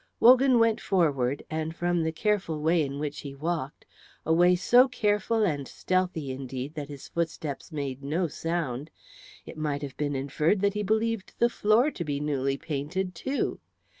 Wogan went forward, and from the careful way in which he walked, a way so careful and stealthy indeed that his footsteps made no sound, it might have been inferred that he believed the floor to be newly painted too.